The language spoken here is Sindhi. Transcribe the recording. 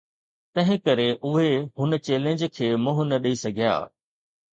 تنهن ڪري اهي هن چئلينج کي منهن نه ڏئي سگهيا.